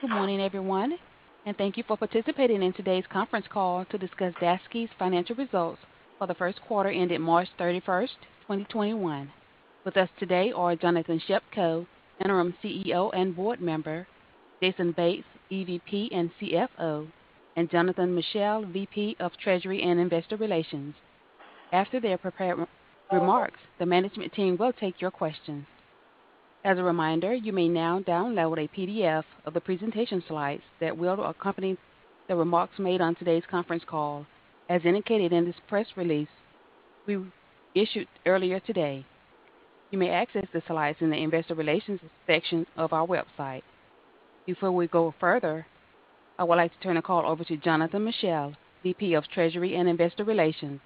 Good morning everyone, and thank you for participating in today's conference call to discuss Daseke's financial results for the first quarter ending March 31st, 2021. With us today are Jonathan Shepko, interim CEO and board member, Jason Bates, EVP and CFO, and John Michell, VP of treasury and investor relations. After their prepared remarks, the management team will take your questions. As a reminder, you may now download a PDF of the presentation slides that will accompany the remarks made on today's conference call. As indicated in this press release we issued earlier today. You may access the slides in the Investor Relations section of our website. Before we go further, I would like to turn the call over to John Michell, VP of treasury and investor relations,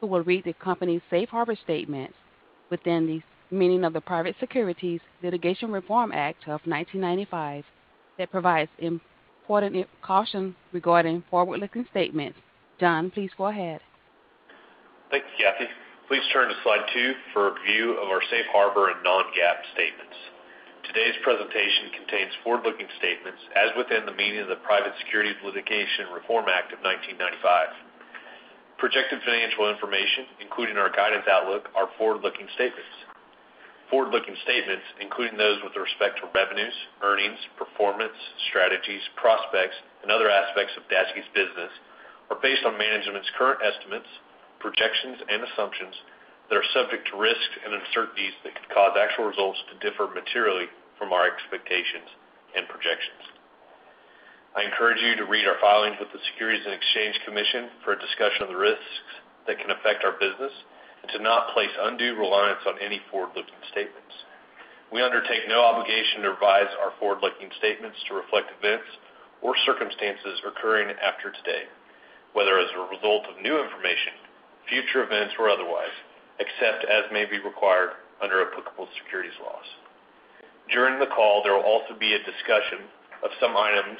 who will read the company's safe harbor statement within the meaning of the Private Securities Litigation Reform Act of 1995 that provides important cautions regarding forward-looking statements. John, please go ahead. Thanks, Cathy. Please turn to slide two for a view of our safe harbor and non-GAAP statements. Today's presentation contains forward-looking statements as within the meaning of the Private Securities Litigation Reform Act of 1995. Projected financial information, including our guidance outlook, are forward-looking statements. Forward-looking statements, including those with respect to revenues, earnings, performance, strategies, prospects, and other aspects of Daseke's business, are based on management's current estimates, projections, and assumptions that are subject to risks and uncertainties that could cause actual results to differ materially from our expectations and projections. I encourage you to read our filings with the Securities and Exchange Commission for a discussion of the risks that can affect our business and to not place undue reliance on any forward-looking statements. We undertake no obligation to revise our forward-looking statements to reflect events or circumstances occurring after today, whether as a result of new information, future events, or otherwise, except as may be required under applicable securities laws. During the call, there will also be a discussion of some items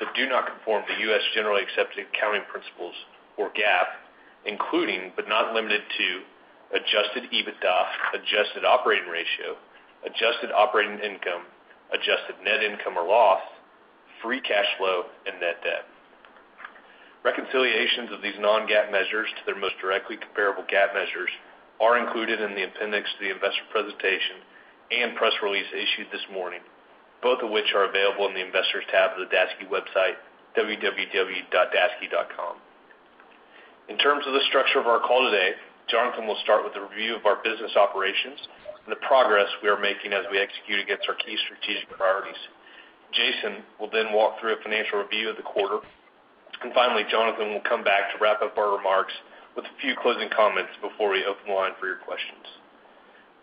that do not conform to U.S. generally accepted accounting principles, or GAAP, including but not limited to adjusted EBITDA, adjusted operating ratio, adjusted operating income, adjusted net income or loss, free cash flow, and net debt. Reconciliations of these non-GAAP measures to their most directly comparable GAAP measures are included in the appendix to the investor presentation and press release issued this morning, both of which are available in the Investors tab of the Daseke website, www.daseke.com. In terms of the structure of our call today, Jonathan will start with a review of our business operations and the progress we are making as we execute against our key strategic priorities. Jason will walk through a financial review of the quarter. Finally, Jonathan will come back to wrap up our remarks with a few closing comments before we open the line for your questions.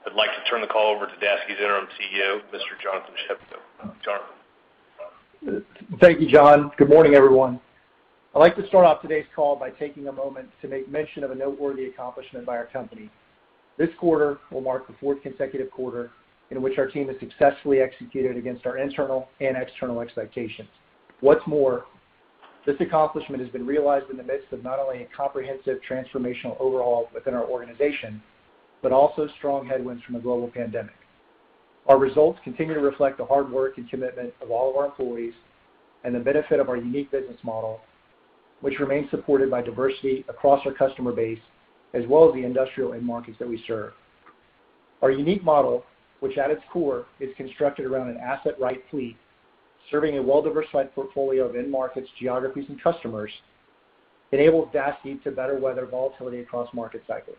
I'd like to turn the call over to Daseke's Interim CEO, Mr. Jonathan Shepko. Jonathan? Thank you, John. Good morning, everyone. I'd like to start off today's call by taking a moment to make mention of a noteworthy accomplishment by our company. This quarter will mark the fourth consecutive quarter in which our team has successfully executed against our internal and external expectations. What's more, this accomplishment has been realized in the midst of not only a comprehensive transformational overhaul within our organization, but also strong headwinds from the global pandemic. Our results continue to reflect the hard work and commitment of all of our employees and the benefit of our unique business model, which remains supported by diversity across our customer base as well as the industrial end markets that we serve. Our unique model, which at its core is constructed around an asset-right fleet, serving a well-diversified portfolio of end markets, geographies, and customers, enables Daseke to better weather volatility across market cycles.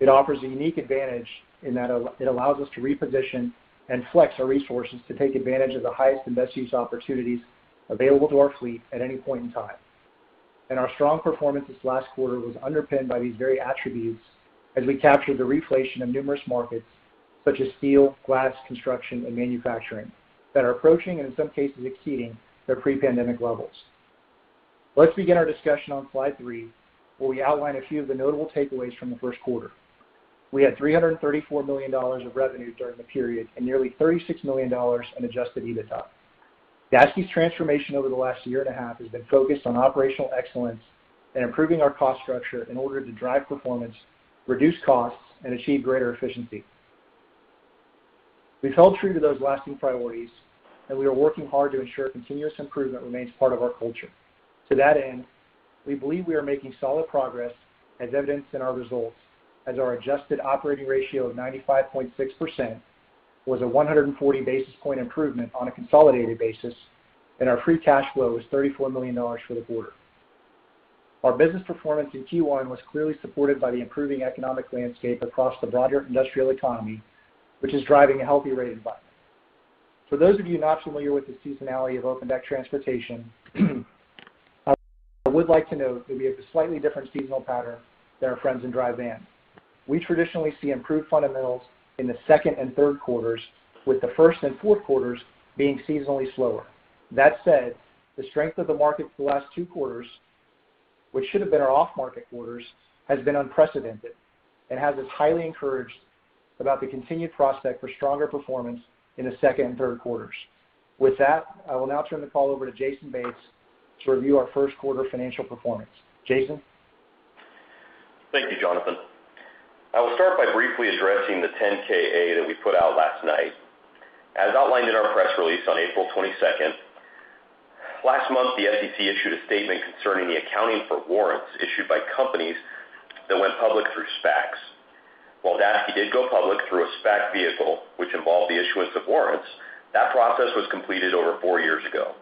It offers a unique advantage in that it allows us to reposition and flex our resources to take advantage of the highest and best use opportunities available to our fleet at any point in time. Our strong performance this last quarter was underpinned by these very attributes as we captured the reflation of numerous markets such as steel, glass, construction, and manufacturing that are approaching, and in some cases exceeding, their pre-pandemic levels. Let's begin our discussion on slide three, where we outline a few of the notable takeaways from the first quarter. We had $334 million of revenue during the period and nearly $36 million in adjusted EBITDA. Daseke's transformation over the last year and a half has been focused on operational excellence and improving our cost structure in order to drive performance, reduce costs, and achieve greater efficiency. We've held true to those lasting priorities, and we are working hard to ensure continuous improvement remains part of our culture. To that end, we believe we are making solid progress, as evidenced in our results, as our adjusted operating ratio of 95.6% was a 140 basis point improvement on a consolidated basis, and our free cash flow was $34 million for the quarter. Our business performance in Q1 was clearly supported by the improving economic landscape across the broader industrial economy, which is driving a healthy rate environment. For those of you not familiar with the seasonality of open-deck transportation, I would like to note that we have a slightly different seasonal pattern than our friends in dry van. We traditionally see improved fundamentals in the second and third quarters, with the first and fourth quarters being seasonally slower. That said, the strength of the market for the last two quarters, which should have been our off-market quarters, has been unprecedented and has us highly encouraged about the continued prospect for stronger performance in the second and third quarters. With that, I will now turn the call over to Jason Bates to review our first quarter financial performance. Jason? Thank you, Jonathan. I will start by briefly addressing the 10-K/A that we put out last night. As outlined in our press release on April 22nd, last month, the SEC issued a statement concerning the accounting for warrants issued by companies that went public through SPACs. While Daseke did go public through a SPAC vehicle, which involved the issuance of warrants, that process was completed over four years ago.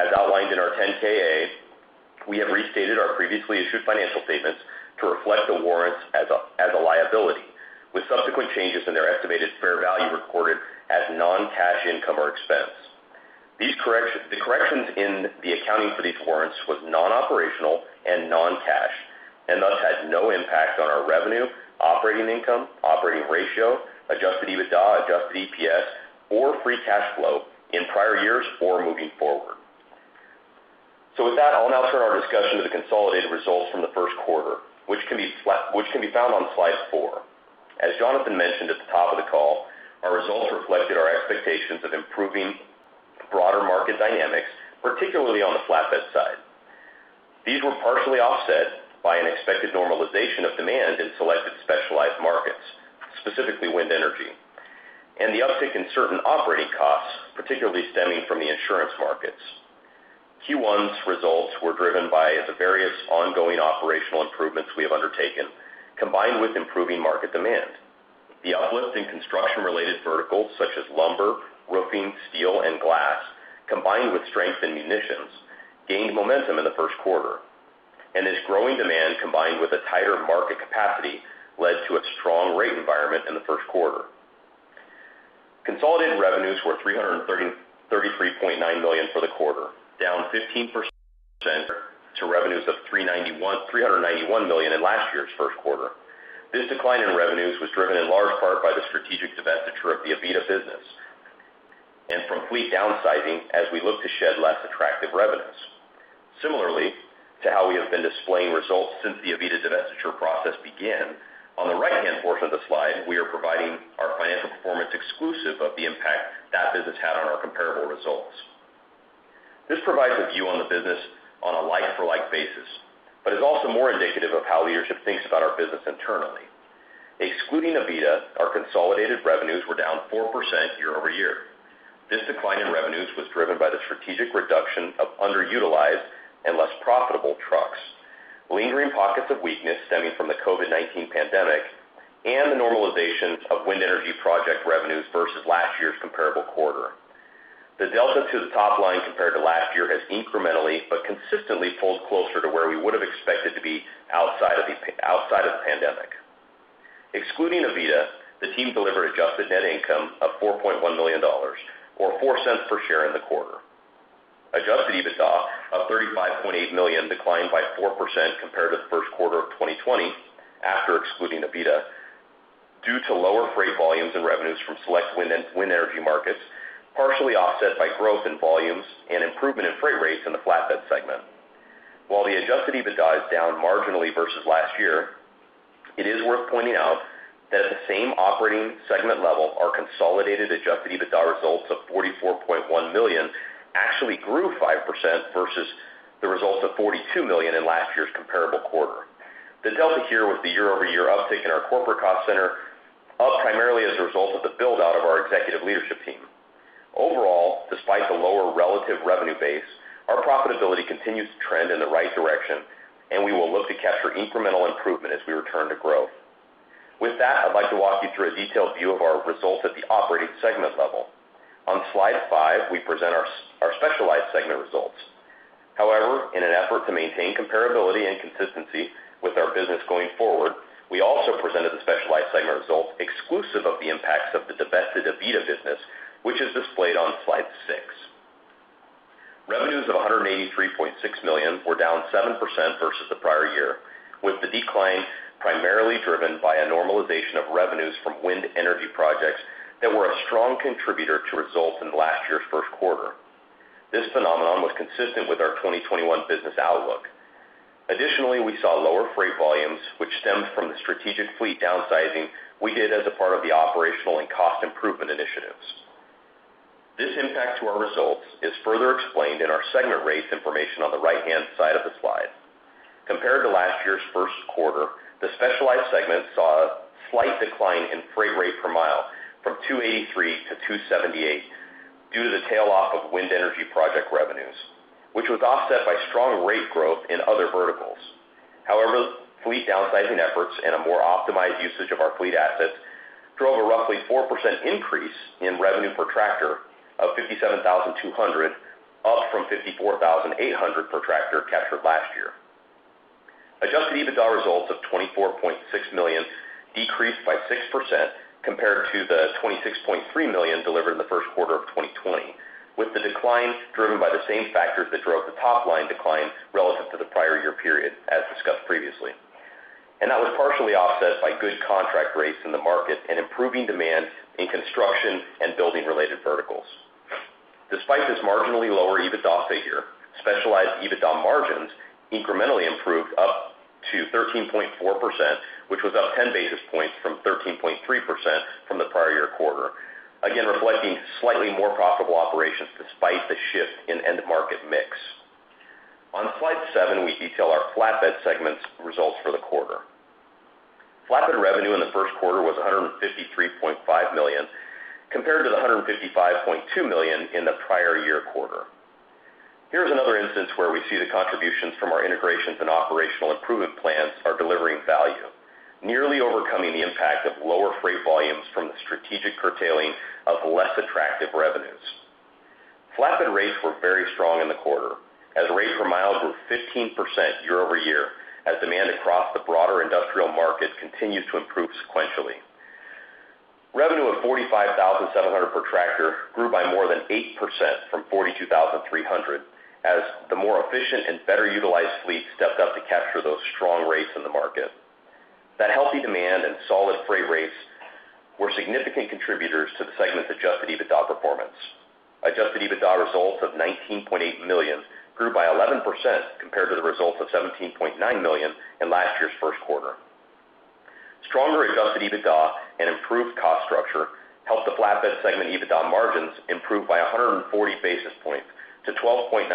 As outlined in our 10-K/A, we have restated our previously issued financial statements to reflect the warrants as a liability, with subsequent changes in their estimated fair value recorded as non-cash income or expense. The corrections in the accounting for these warrants was non-operational and non-cash, and thus had no impact on our revenue, operating income, operating ratio, adjusted EBITDA, adjusted EPS, or free cash flow in prior years or moving forward. With that, I'll now turn our discussion to the consolidated results from the first quarter, which can be found on slide four. As Jonathan mentioned at the top of the call, our results reflected our expectations of improving broader market dynamics, particularly on the flatbed side. These were partially offset by an expected normalization of demand in selected specialized markets, specifically wind energy, and the uptick in certain operating costs, particularly stemming from the insurance markets. Q1's results were driven by the various ongoing operational improvements we have undertaken, combined with improving market demand. The uplift in construction-related verticals such as lumber, roofing, steel, and glass, combined with strength in munitions, gained momentum in the first quarter, this growing demand, combined with a tighter market capacity, led to a strong rate environment in the first quarter. Consolidated revenues were $333.9 million for the quarter, down 15% to revenues of $391 million in last year's first quarter. This decline in revenues was driven in large part by the strategic divestiture of the Aveda business and from fleet downsizing as we look to shed less attractive revenues. Similarly to how we have been displaying results since the Aveda divestiture process began, on the right-hand portion of the slide, we are providing our financial performance exclusive of the impact that business had on our comparable results. This provides a view on the business on a like-for-like basis, but is also more indicative of how leadership thinks about our business internally. Excluding Aveda, our consolidated revenues were down 4% year-over-year. This decline in revenues was driven by the strategic reduction of underutilized and less profitable trucks, lingering pockets of weakness stemming from the COVID-19 pandemic, and the normalization of wind energy project revenues versus last year's comparable quarter. The delta to the top line compared to last year has incrementally but consistently pulled closer to where we would've expected to be outside of the pandemic. Excluding Aveda, the team delivered adjusted net income of $4.1 million, or $0.04 per share in the quarter. Adjusted EBITDA of $35.8 million declined by 4% compared to the first quarter of 2020, after excluding Aveda, due to lower freight volumes and revenues from select wind energy markets, partially offset by growth in volumes and improvement in freight rates in the flatbed segment. While the adjusted EBITDA is down marginally versus last year, it is worth pointing out that at the same operating segment level, our consolidated adjusted EBITDA results of $44.1 million actually grew 5% versus the results of $42 million in last year's comparable quarter. The delta here was the year-over-year uptick in our corporate cost center, up primarily as a result of the build-out of our executive leadership team. Overall, despite the lower relative revenue base, our profitability continues to trend in the right direction, and we will look to capture incremental improvement as we return to growth. With that, I'd like to walk you through a detailed view of our results at the operating segment level. On slide five, we present our specialized segment results. However, in an effort to maintain comparability and consistency with our business going forward, we also presented the specialized segment results exclusive of the impacts of the divested Aveda business, which is displayed on slide six. Revenues of $183.6 million were down 7% versus the prior year, with the decline primarily driven by a normalization of revenues from wind energy projects that were a strong contributor to results in last year's first quarter. This phenomenon was consistent with our 2021 business outlook. Additionally, we saw lower freight volumes, which stemmed from the strategic fleet downsizing we did as a part of the operational and cost improvement initiatives. This impact to our results is further explained in our segment rates information on the right-hand side of the slide. Compared to last year's first quarter, the specialized segment saw a slight decline in freight rate per mile from $2.83 to $2.78 due to the tail off of wind energy project revenues, which was offset by strong rate growth in other verticals. However, fleet downsizing efforts and a more optimized usage of our fleet assets drove a roughly 4% increase in revenue per tractor of $57,200, up from $54,800 per tractor captured last year. Adjusted EBITDA results of $24.6 million decreased by 6% compared to the $26.3 million delivered in the first quarter of 2020, with the decline driven by the same factors that drove the top-line decline relative to the prior year period, as discussed previously. That was partially offset by good contract rates in the market and improving demand in construction and building-related verticals. Despite this marginally lower EBITDA figure, specialized EBITDA margins incrementally improved up to 13.4%, which was up 10 basis points from 13.3% from the prior year quarter, again reflecting slightly more profitable operations despite the shift in end market mix. On slide seven, we detail our flatbed segment's results for the quarter. Flatbed revenue in the first quarter was $153.5 million, compared to the $155.2 million in the prior year quarter. Here is another instance where we see the contributions from our integrations and operational improvement plans are delivering value, nearly overcoming the impact of lower freight volumes from the strategic curtailing of less attractive revenues. Flatbed rates were very strong in the quarter, as rate per mile grew 15% year-over-year, as demand across the broader industrial market continues to improve sequentially. Revenue of $45,700 per tractor grew by more than 8% from $42,300, as the more efficient and better-utilized fleet stepped up to capture those strong rates in the market. That healthy demand and solid freight rates were significant contributors to the segment's adjusted EBITDA performance. Adjusted EBITDA results of $19.8 million grew by 11% compared to the results of $17.9 million in last year's first quarter. Stronger adjusted EBITDA and improved cost structure helped the flatbed segment EBITDA margins improve by 140 basis points to 12.9%,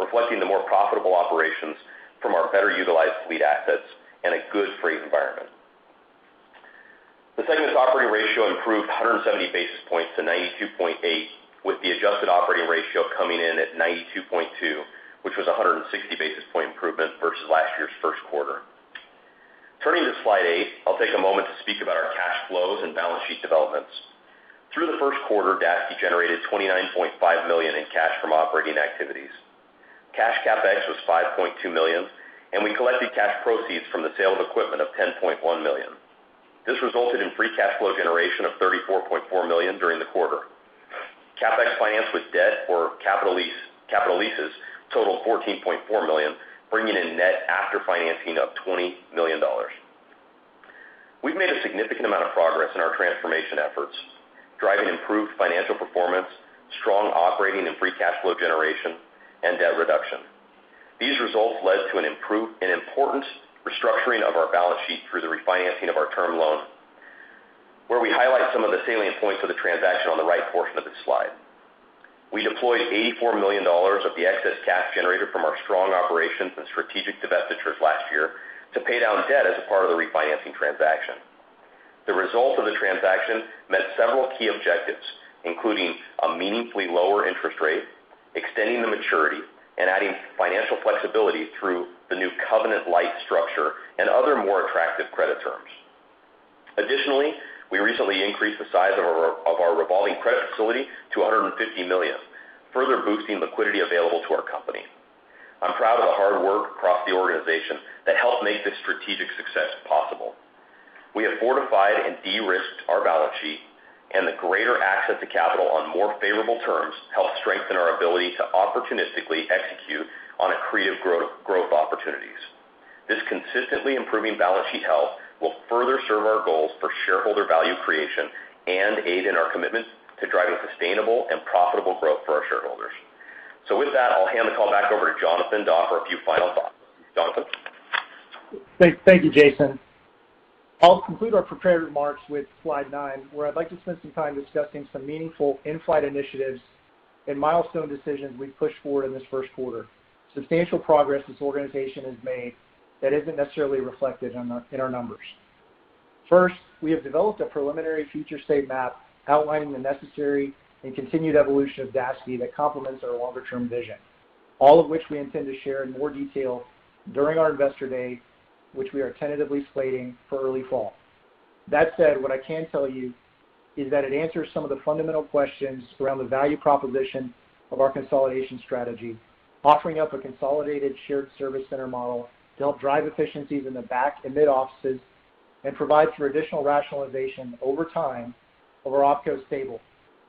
reflecting the more profitable operations from our better-utilized fleet assets and a good freight environment. The segment's operating ratio improved 170 basis points to 92.8%, with the adjusted operating ratio coming in at 92.2%, which was 160 basis point improvement versus last year's first quarter. Turning to slide eight, I'll take a moment to speak about our cash flows and balance sheet developments. Through the first quarter, Daseke generated $29.5 million in cash from operating activities. Cash CapEx was $5.2 million, and we collected cash proceeds from the sale of equipment of $10.1 million. This resulted in free cash flow generation of $34.4 million during the quarter. CapEx financed with debt or capital leases totaled $14.4 million, bringing in net after financing of $20 million. We've made a significant amount of progress in our transformation efforts, driving improved financial performance, strong operating and free cash flow generation, and debt reduction. These results led to an important restructuring of our balance sheet through the refinancing of our term loan, where we highlight some of the salient points of the transaction on the right portion of this slide. We deployed $84 million of the excess cash generated from our strong operations and strategic divestitures last year to pay down debt as a part of the refinancing transaction. The result of the transaction met several key objectives, including a meaningfully lower interest rate, extending the maturity, and adding financial flexibility through the new covenant-lite structure and other more attractive credit terms. Additionally, we recently increased the size of our revolving credit facility to $150 million, further boosting liquidity available to our company. I'm proud of the hard work across the organization that helped make this strategic success possible. We have fortified and de-risked our balance sheet, and the greater access to capital on more favorable terms helped strengthen our ability to opportunistically execute on accretive growth opportunities. This consistently improving balance sheet health will further serve our goals for shareholder value creation and aid in our commitment to driving sustainable and profitable growth for our shareholders. With that, I'll hand the call back over to Jonathan to offer a few final thoughts. Jonathan? Thank you, Jason. I'll conclude our prepared remarks with slide nine, where I'd like to spend some time discussing some meaningful in-flight initiatives and milestone decisions we pushed forward in this first quarter, substantial progress this organization has made that isn't necessarily reflected in our numbers. First, we have developed a preliminary future state map outlining the necessary and continued evolution of Daseke that complements our longer-term vision, all of which we intend to share in more detail during our Investor Day, which we are tentatively slating for early fall. That said, what I can tell you is that it answers some of the fundamental questions around the value proposition of our consolidation strategy, offering up a consolidated shared service center model to help drive efficiencies in the back- and mid-offices and provide for additional rationalization over time of our opco stable.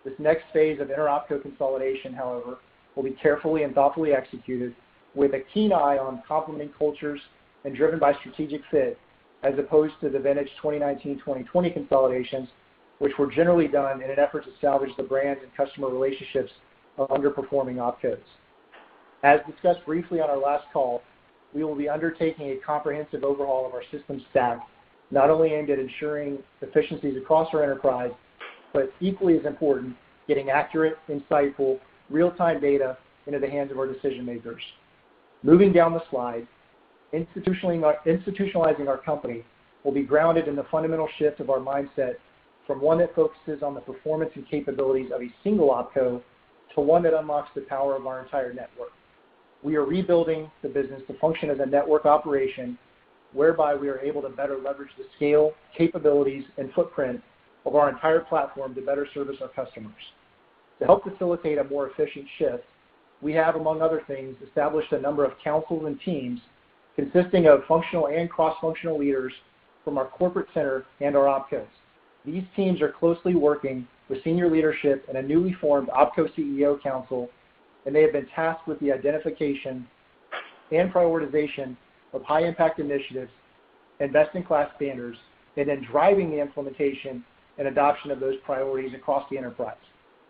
This next phase of inter-opco consolidation, however, will be carefully and thoughtfully executed with a keen eye on complementing cultures and driven by strategic fit, as opposed to the vintage 2019, 2020 consolidations, which were generally done in an effort to salvage the brands and customer relationships of underperforming opcos. As discussed briefly on our last call, we will be undertaking a comprehensive overhaul of our systems stack, not only aimed at ensuring efficiencies across our enterprise, but equally as important, getting accurate, insightful, real-time data into the hands of our decision-makers. Moving down the slide, institutionalizing our company will be grounded in the fundamental shift of our mindset from one that focuses on the performance and capabilities of a single opco to one that unlocks the power of our entire network. We are rebuilding the business to function as a network operation whereby we are able to better leverage the scale, capabilities, and footprint of our entire platform to better service our customers. To help facilitate a more efficient shift, we have, among other things, established a number of councils and teams consisting of functional and cross-functional leaders from our corporate center and our opcos. These teams are closely working with senior leadership in a newly formed Opco CEO Council. They have been tasked with the identification and prioritization of high-impact initiatives and best-in-class standards, and then driving the implementation and adoption of those priorities across the enterprise.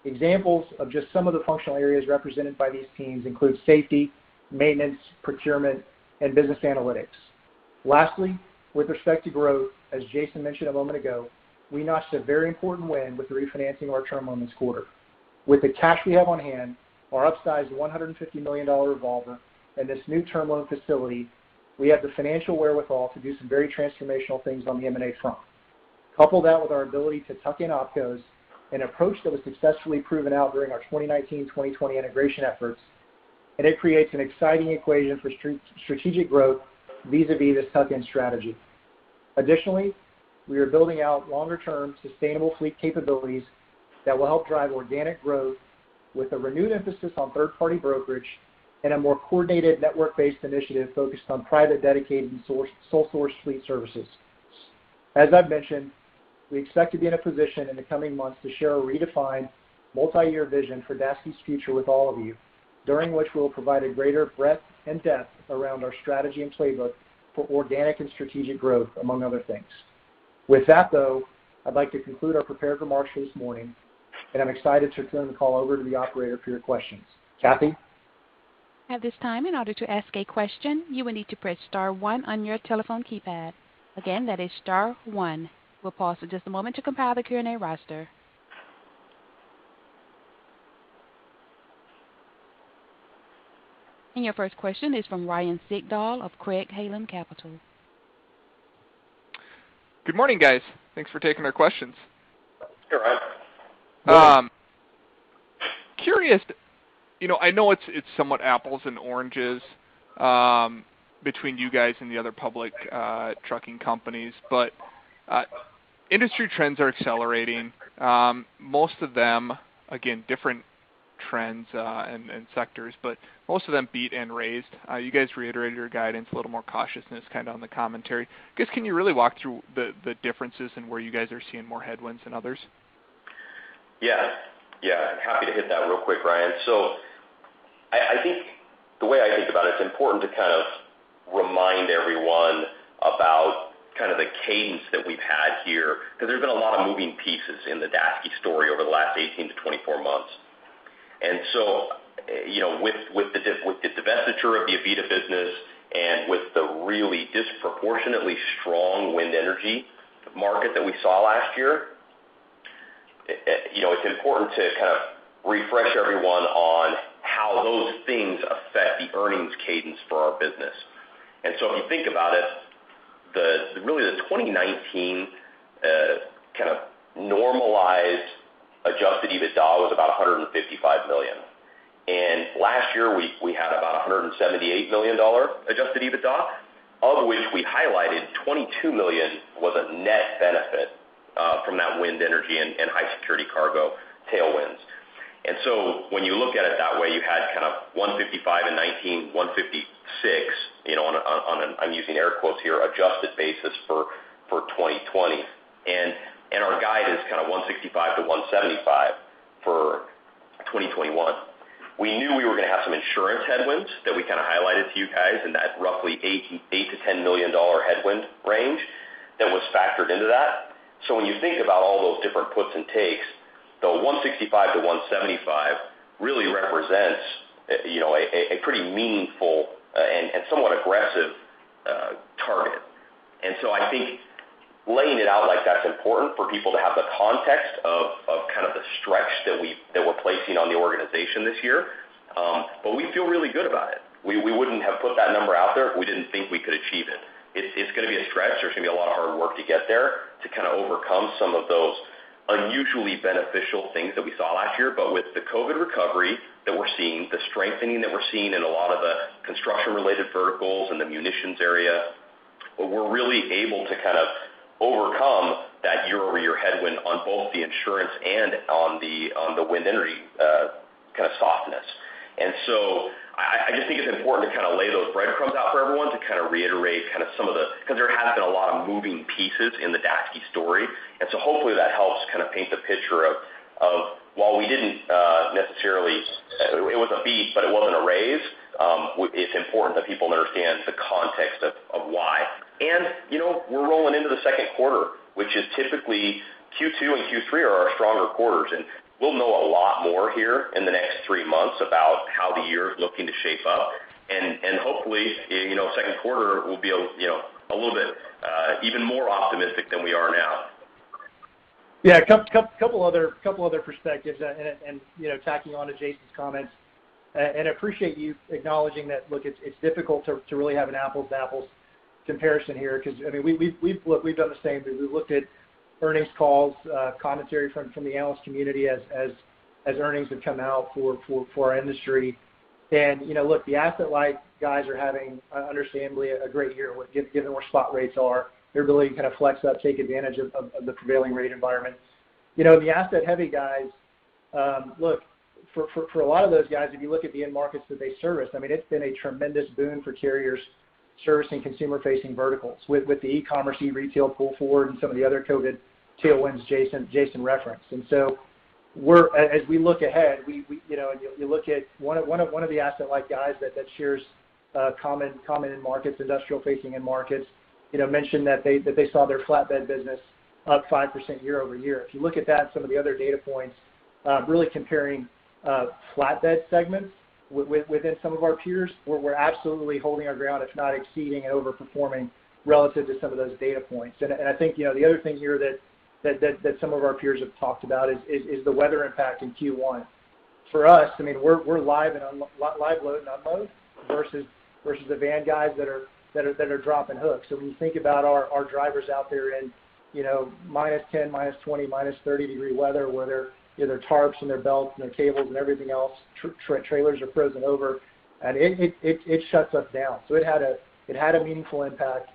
Examples of just some of the functional areas represented by these teams include safety, maintenance, procurement, and business analytics. Lastly, with respect to growth, as Jason mentioned a moment ago, we notched a very important win with the refinancing of our term loan this quarter. With the cash we have on hand, our upsized $150 million revolver, and this new term loan facility, we have the financial wherewithal to do some very transformational things on the M&A front. Couple that with our ability to tuck-in opcos, an approach that was successfully proven out during our 2019, 2020 integration efforts, and it creates an exciting equation for strategic growth vis-a-vis the tuck-in strategy. Additionally, we are building out longer-term, sustainable fleet capabilities that will help drive organic growth with a renewed emphasis on third-party brokerage and a more coordinated network-based initiative focused on private dedicated and sole-source fleet services. As I've mentioned, we expect to be in a position in the coming months to share a redefined multi-year vision for Daseke's future with all of you, during which we'll provide a greater breadth and depth around our strategy and playbook for organic and strategic growth, among other things. With that, though, I'd like to conclude our prepared remarks for this morning, and I'm excited to turn the call over to the operator for your questions. Cathy? At this time, in order to ask a question, you will need to press star one on your telephone keypad. Again, that is star one. We'll pause for just a moment to compile the Q&A roster. Your first question is from Ryan Sigdahl of Craig-Hallum Capital. Good morning, guys. Thanks for taking our questions. Sure, Ryan. Curious. I know it's somewhat apples and oranges between you guys and the other public trucking companies. Industry trends are accelerating. Most of them, again, different trends and sectors. Most of them beat and raised. You guys reiterated your guidance, a little more cautiousness kind of on the commentary. I guess, can you really walk through the differences and where you guys are seeing more headwinds than others? Happy to hit that real quick, Ryan. The way I think about it's important to kind of remind everyone about kind of the cadence that we've had here, because there's been a lot of moving pieces in the Daseke story over the last 18 to 24 months. With the divestiture of the Aveda business and with the really disproportionately strong wind energy market that we saw last year, it's important to kind of refresh everyone on how those things affect the earnings cadence for our business. If you think about it, really the 2019 kind of normalized adjusted EBITDA was about $155 million. Last year, we had about $178 million adjusted EBITDA, of which we highlighted $22 million was a net benefit from that wind energy and high security cargo tailwinds. When you look at it that way, you had kind of $155 million in 2019, $156 million, I'm using air quotes here, adjusted basis for 2020. Our guide is kind of $165 million-$175 million for 2021. We knew we were going to have some insurance headwinds that we kind of highlighted to you guys in that roughly $8 million-$10 million headwind range that was factored into that. When you think about all those different puts and takes, the $165 million-$175 million really represents a pretty meaningful and somewhat aggressive target. I think laying it out like that's important for people to have the context of kind of the stretch that we're placing on the organization this year. We feel really good about it. We wouldn't have put that number out there if we didn't think we could achieve it. It's going to be a stretch. There's going to be a lot of hard work to get there to kind of overcome some of those unusually beneficial things that we saw last year. With the COVID recovery that we're seeing, the strengthening that we're seeing in a lot of the construction-related verticals and the munitions area, we're really able to kind of overcome that year-over-year headwind on both the insurance and on the wind energy kind of softness. I just think it's important to kind of lay those breadcrumbs out for everyone to kind of reiterate kind of some of the, because there has been a lot of moving pieces in the Daseke story. Hopefully that helps kind of paint the picture of while we didn't necessarily, it was a beat, but it wasn't a raise. It's important that people understand the context of why. We're rolling into the second quarter, which is typically Q2 and Q3 are our stronger quarters. We'll know a lot more here in the next three months about how the year is looking to shape up. Hopefully, second quarter will be a little bit even more optimistic than we are now. Yeah. A couple other perspectives tacking on to Jason's comments, appreciate you acknowledging that, look, it's difficult to really have an apples-to-apples comparison here because, I mean, we've done the same thing. We've looked at earnings calls, commentary from the analyst community as earnings have come out for our industry. Look, the asset-light guys are having understandably a great year given where spot rates are. They really kind of flex up, take advantage of the prevailing rate environment. The asset-heavy guys, look, for a lot of those guys, if you look at the end markets that they service, I mean, it's been a tremendous boon for carriers servicing consumer-facing verticals with the e-commerce, e-retail pull forward and some of the other COVID tailwinds Jason referenced. As we look ahead, and you look at one of the asset-light guys that shares common end markets, industrial-facing end markets, mentioned that they saw their flatbed business up 5% year-over-year. If you look at that and some of the other data points, really comparing flatbed segments within some of our peers, where we're absolutely holding our ground, if not exceeding and over-performing relative to some of those data points. I think the other thing here that some of our peers have talked about is the weather impact in Q1. For us, we're live load and unload versus the van guys that are dropping hooks. When you think about our drivers out there in -10, -20, -30 degree weather, where their tarps and their belts and their cables and everything else, trailers are frozen over, and it shuts us down. It had a meaningful impact,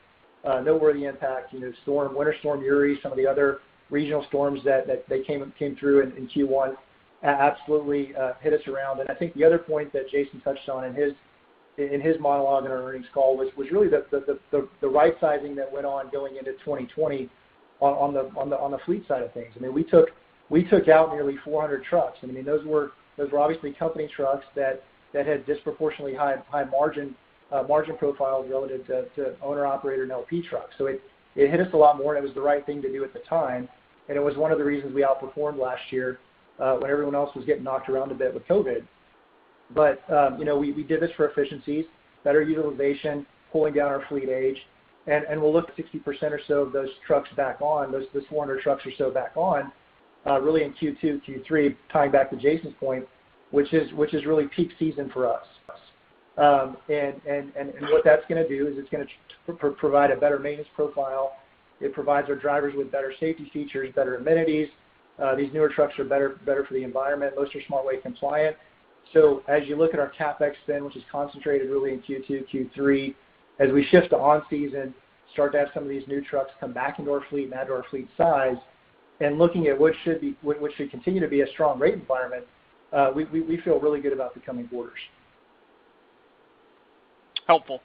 a noteworthy impact. Winter Storm Uri, some of the other regional storms that came through in Q1 absolutely hit us around. I think the other point that Jason touched on in his monologue on our earnings call was really the right-sizing that went on going into 2020 on the fleet side of things. We took out nearly 400 trucks. Those were obviously company trucks that had disproportionately high margin profiles relative to owner-operator and LP trucks. It hit us a lot more, and it was the right thing to do at the time, and it was one of the reasons we outperformed last year when everyone else was getting knocked around a bit with COVID. We did this for efficiencies, better utilization, pulling down our fleet age, and we'll look to keep 60% or so of those trucks back on, those 400 trucks or so back on, really in Q2, Q3, tying back to Jason's point, which is really peak season for us. What that's going to do is it's going to provide a better maintenance profile. It provides our drivers with better safety features, better amenities. These newer trucks are better for the environment. Most are SmartWay compliant. As you look at our CapEx spend, which is concentrated really in Q2, Q3, as we shift to on-season, start to have some of these new trucks come back into our fleet and add to our fleet size, and looking at what should continue to be a strong rate environment, we feel really good about becoming bolder. Helpful.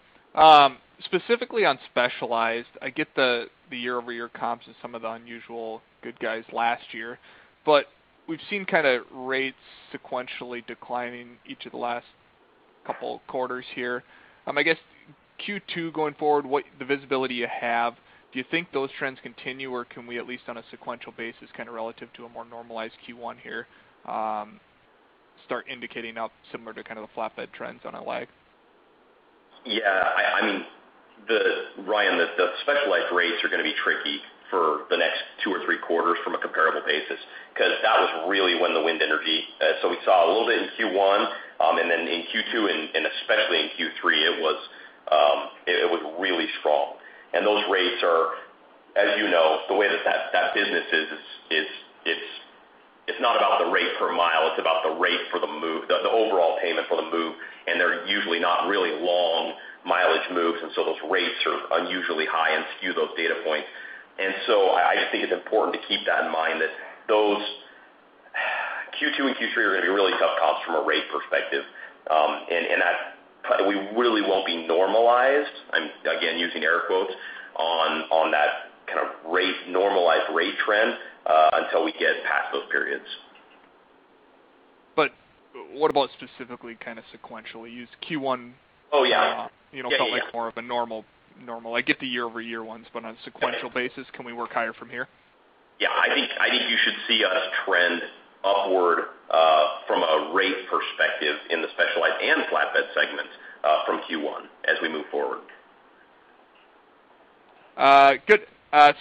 Specifically on specialized, I get the year-over-year comps and some of the unusual good guys last year, but we've seen rates sequentially declining each of the last couple of quarters here. I guess, Q2 going forward, the visibility you have, do you think those trends continue, or can we at least on a sequential basis, kind of relative to a more normalized Q1 here, start indicating now similar to kind of the flatbed trends on our lag? Yeah. Ryan, the specialized rates are going to be tricky for the next two or three quarters from a comparable basis, because that was really when the wind energy. We saw a little bit in Q1, and then in Q2, and especially in Q3, it was really strong. Those rates are, as you know, the way that business is, it's not about the rate per mile, it's about the rate for the move, the overall payment for the move, and they're usually not really long mileage moves, and so those rates are unusually high and skew those data points. I just think it's important to keep that in mind that those Q2 and Q3 are going to be really tough comps from a rate perspective. That we really won't be normalized, I'm again using air quotes, on that kind of normalized rate trend, until we get past those periods. What about specifically kind of sequentially? You used Q1- Oh, yeah. felt like more of a normal. I get the year-over-year ones, but on a sequential basis, can we work higher from here? Yeah. I think you should see us trend upward from a rate perspective in the specialized and flatbed segments from Q1 as we move forward. Good.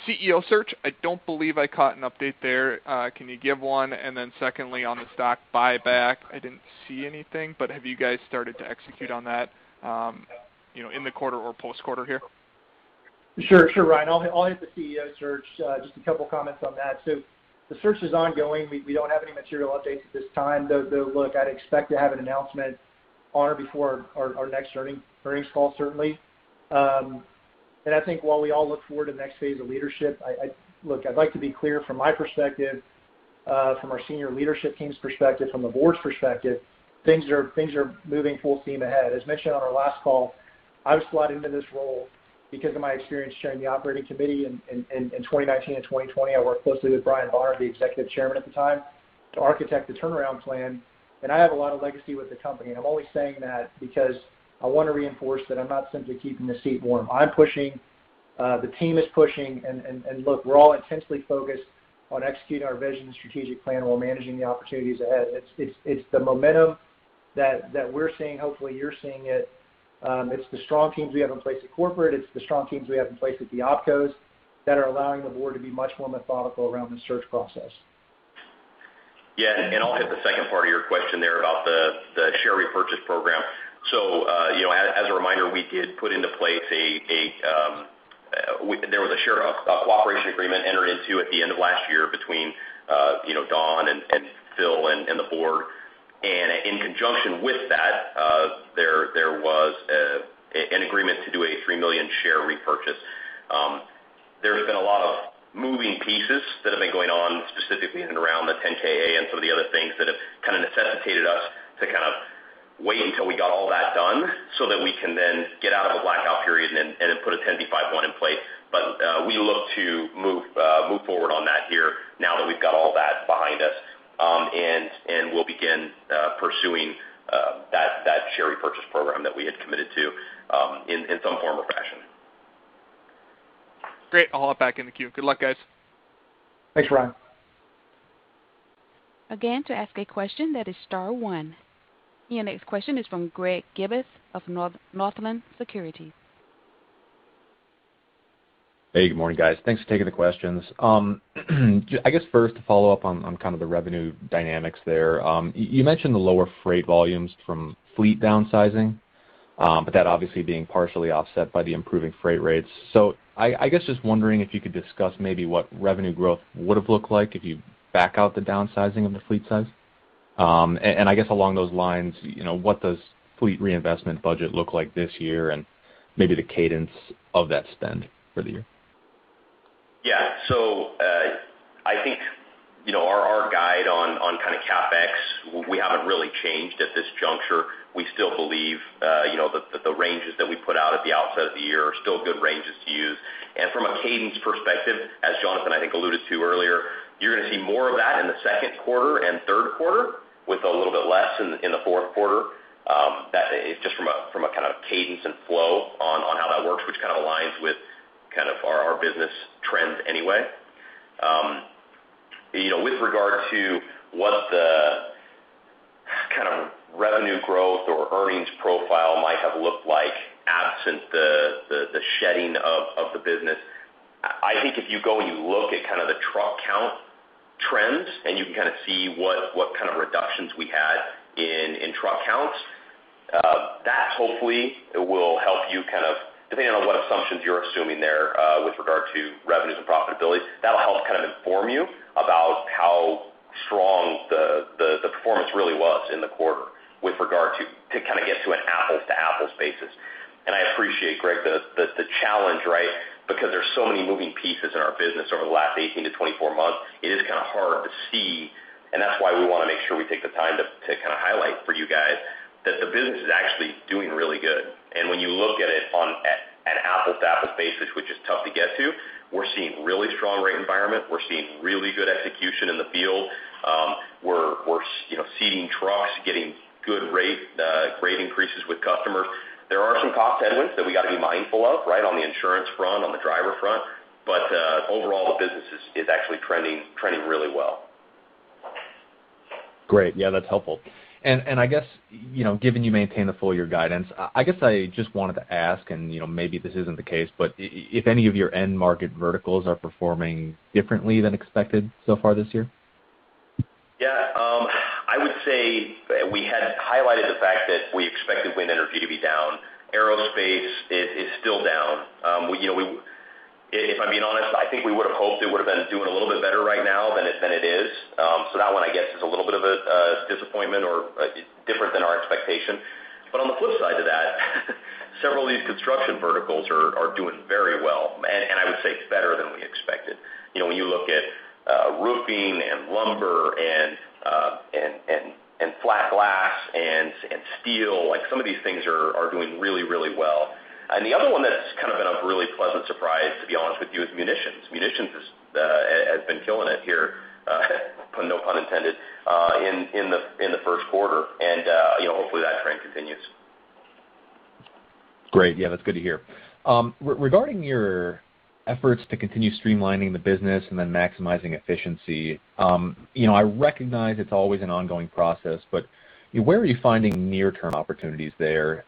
CEO search, I don't believe I caught an update there. Can you give one? Secondly, on the stock buyback, I didn't see anything, but have you guys started to execute on that in the quarter or post-quarter here? Sure, Ryan. I'll hit the CEO search. Just a couple of comments on that. The search is ongoing. We don't have any material updates at this time, though, look, I'd expect to have an announcement on or before our next earnings call, certainly. I think while we all look forward to the next phase of leadership, look, I'd like to be clear from my perspective, from our senior leadership team's perspective, from the board's perspective, things are moving full steam ahead. As mentioned on our last call, I was slotted into this role because of my experience chairing the operating committee in 2019 and 2020. I worked closely with Brian Bonner, the executive chairman at the time, to architect the turnaround plan, and I have a lot of legacy with the company, and I'm always saying that because I want to reinforce that I'm not simply keeping the seat warm. I'm pushing, the team is pushing, and look, we're all intensely focused on executing our vision and strategic plan while managing the opportunities ahead. It's the momentum that we're seeing. Hopefully, you're seeing it. It's the strong teams we have in place at corporate, it's the strong teams we have in place at the opcos that are allowing the board to be much more methodical around the search process. I'll hit the second part of your question there about the share repurchase program. As a reminder, there was a share cooperation agreement entered into at the end of last year between Don and Phil and the board. In conjunction with that, there was an agreement to do a 3 million share repurchase. There's been a lot of moving pieces that have been going on specifically around the 10-K/A and some of the other things that have kind of necessitated us to kind of wait until we got all that done so that we can then get out of a blackout period and then put a 10b5-1 in place. We look to move forward on that here now that we've got all that behind us. We'll begin pursuing that share repurchase program that we had committed to in some form or fashion. Great. I'll hop back in the queue. Good luck, guys. Thanks, Ryan. Again, to ask a question, that is star one. The next question is from Greg Gibbas of Northland Securities. Hey, good morning, guys. Thanks for taking the questions. I guess first to follow up on the revenue dynamics there. You mentioned the lower freight volumes from fleet downsizing, but that obviously being partially offset by the improving freight rates. I guess just wondering if you could discuss maybe what revenue growth would have looked like if you back out the downsizing of the fleet size. I guess along those lines, what does fleet reinvestment budget look like this year and maybe the cadence of that spend for the year? I think our guide on CapEx, we haven't really changed at this juncture. We still believe that the ranges that we put out at the outset of the year are still good ranges to use. From a cadence perspective, as Jonathan, I think, alluded to earlier, you're going to see more of that in the second quarter and third quarter with a little bit less in the fourth quarter. That is just from a cadence and flow on how that works, which kind of aligns with our business trends anyway. With regard to what the kind of revenue growth or earnings profile might have looked like absent the shedding of the business, I think if you go and you look at the truck count trends, and you see what kind of reductions we had in truck counts, that hopefully will help you kind of, depending on what assumptions you're assuming there with regard to revenues and profitability, that'll help inform you about how strong the performance really was in the quarter with regard to get to an apples-to-apples basis. I appreciate, Greg, the challenge, right? Because there's so many moving pieces in our business over the last 18-24 months, it is kind of hard to see, and that's why we want to make sure we take the time to highlight for you guys that the business is actually doing really good. When you look at it on an apples-to-apples basis, which is tough to get to, we're seeing really strong rate environment. We're seeing really good execution in the field. We're seating trucks, getting good rate increases with customers. There are some cost headwinds that we got to be mindful of on the insurance front, on the driver front, but overall the business is actually trending really well. Great. Yeah, that's helpful. I guess, given you maintain the full-year guidance, I guess I just wanted to ask, and maybe this isn't the case, but if any of your end market verticals are performing differently than expected so far this year? I would say we had highlighted the fact that we expected wind energy to be down. Aerospace, it's still down. If I'm being honest, I think we would have hoped it would have been doing a little bit better right now than it is. That one, I guess, is a little bit of a disappointment or different than our expectation. On the flip side to that, several of these construction verticals are doing very well, and I would say it's better than we expected. When you look at roofing and lumber and flat glass and steel, some of these things are doing really, really well. The other one that's kind of been a really pleasant surprise, to be honest with you, is munitions. Munitions has been killing it here, no pun intended, in the first quarter. Hopefully that trend continues. Great. Yeah, that's good to hear. Regarding your efforts to continue streamlining the business and then maximizing efficiency, I recognize it's always an ongoing process, but where are you finding near-term opportunities there?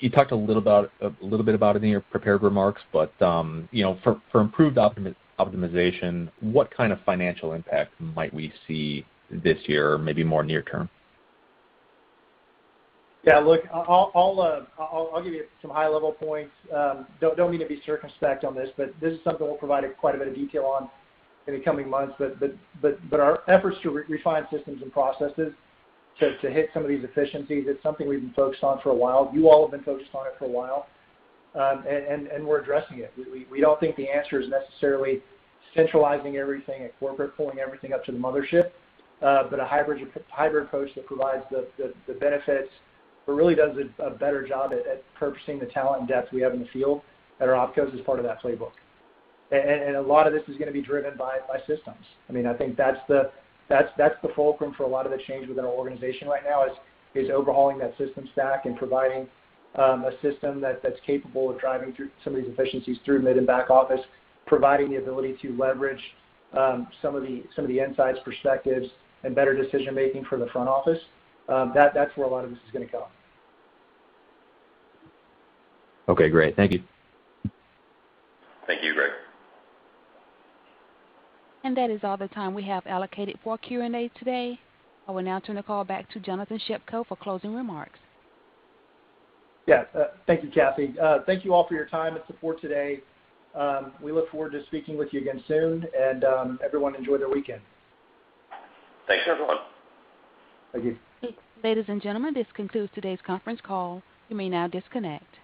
You talked a little bit about it in your prepared remarks, but for improved optimization, what kind of financial impact might we see this year or maybe more near-term? Yeah. Look, I'll give you some high-level points. Don't mean to be circumspect on this, but this is something we'll provide quite a bit of detail on in the coming months. Our efforts to refine systems and processes to hit some of these efficiencies, it's something we've been focused on for a while. You all have been focused on it for a while. We're addressing it. We don't think the answer is necessarily centralizing everything at corporate, pulling everything up to the mothership. A hybrid approach that provides the benefits, but really does a better job at harnessing the talent depth we have in the field at our offices is part of that playbook. A lot of this is going to be driven by systems. I think that's the fulcrum for a lot of the change with our organization right now is overhauling that system stack and providing a system that's capable of driving some of these efficiencies through mid- and back-office, providing the ability to leverage some of the insights, perspectives, and better decision-making for the front office. That's where a lot of this is going to come. Okay, great. Thank you. Thank you, Greg. That is all the time we have allocated for Q&A today. I will now turn the call back to Jonathan Shepko for closing remarks. Yeah. Thank you, Cathy. Thank you all for your time and support today. We look forward to speaking with you again soon, and everyone enjoy their weekend. Thanks, everyone. Thank you. Ladies and gentlemen, this concludes today's conference call. You may now disconnect.